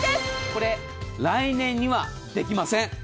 これ来年にはできません。